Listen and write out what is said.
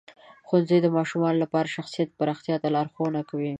ښوونځی د ماشومانو لپاره د شخصیت پراختیا ته لارښوونه کوي.